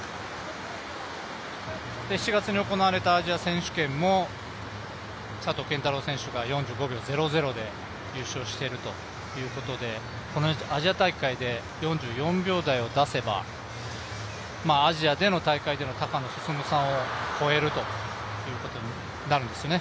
７月に行われたアジア選手権も佐藤拳太郎選手が４５秒００で優勝しているということで、アジア大会で４４秒台を出せば、アジアでの大会の高野進さんを超えるということになるんですね。